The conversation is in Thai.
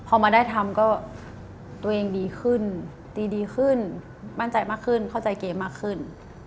พอมาได้ทำก็ตัวเองดีขึ้นตีดีขึ้นมั่นใจมากขึ้นเข้าใจเกมมากขึ้น